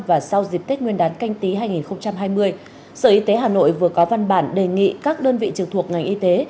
và sau dịp tết nguyên đán canh tí hai nghìn hai mươi sở y tế hà nội vừa có văn bản đề nghị các đơn vị trực thuộc ngành y tế